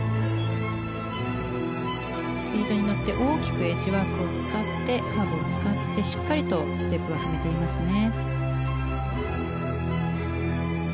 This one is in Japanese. スピードに乗って大きくエッジワークを使ってカーブを使ってしっかりとステップを踏めていますね。